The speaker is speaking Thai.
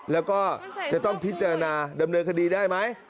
แล้วก็จะต้องพิจารณาดำเนินคดีได้ไหม